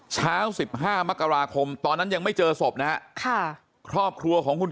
เช้า๑๕มกราคมตอนนั้นยังไม่เจอศพนะฮะครอบครัวของคุณ